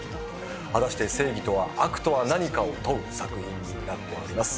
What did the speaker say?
果たして正義とは悪とは何かを問う作品になっております